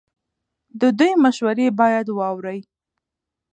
د دوی مشورې باید واورئ.